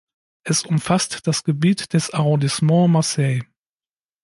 Es umfasst das Gebiet des Arrondissements Marseille.